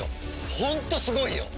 ホントすごいよ！